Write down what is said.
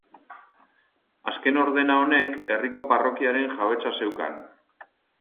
Azken ordena honek herriko parrokiaren jabetza zeukan.